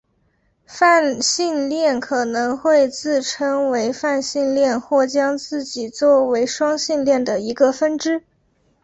泛性恋可能会自称为泛性恋或将自己做为双性恋的一个分支。